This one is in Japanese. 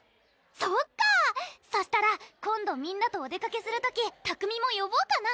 そっかそしたら今度みんなとお出かけする時拓海もよぼうかな？